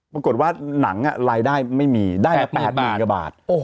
ปรากฏว่าหนังรายได้ไม่มีได้แค่๘หมื่นกระบาท